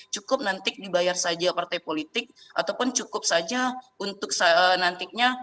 cukup nanti dibayar saja partai politik ataupun cukup saja untuk nantinya